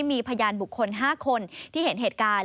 มีพยานบุคคล๕คนที่เห็นเหตุการณ์